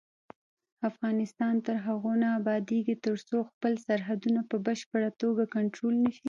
افغانستان تر هغو نه ابادیږي، ترڅو خپل سرحدونه په بشپړه توګه کنټرول نشي.